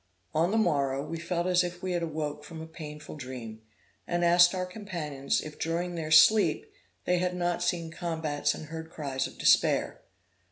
On the morrow, we felt as if we had awoke from a painful dream, and asked our companions, if, during their sleep, they had not seen combats and heard cries of despair.